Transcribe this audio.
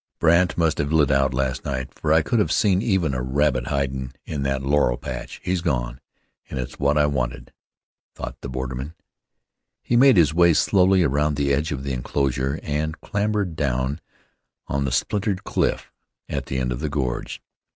"Brandt must have lit out last night, for I could have seen even a rabbit hidin' in that laurel patch. He's gone, an' it's what I wanted," thought the borderman. He made his way slowly around the edge of the inclosure and clambered down on the splintered cliff at the end of the gorge.